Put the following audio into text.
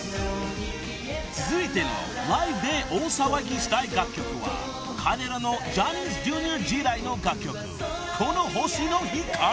［続いてのライブで大騒ぎしたい楽曲は彼らのジャニーズＪｒ．時代の楽曲］